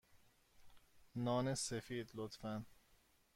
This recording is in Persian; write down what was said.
نان سفید، لطفا.